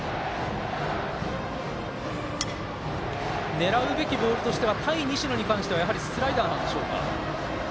狙うべきボールとしては対西野に関してはスライダーなんでしょうか。